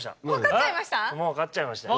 分かっちゃいました？